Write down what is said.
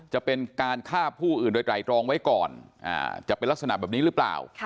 จะเป็นการฆ่าผู้อื่นโดยไตรรองไว้ก่อนจะเป็นลักษณะแบบนี้หรือเปล่า